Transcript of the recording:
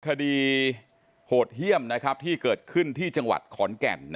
คดีโหดเฮี่ยมนะครับที่เกิดขึ้นที่จังหวัดขอนแก่นนะฮะ